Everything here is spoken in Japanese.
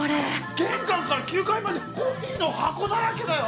玄関から９階までコピーの箱だらけだよ。